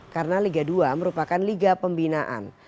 karena liga dua merupakan liga pembinaan